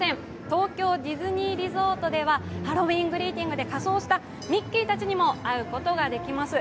東京ディズニーリゾートではハロウィーン・グリーティングで仮装したミッキーたちにも会うことができます。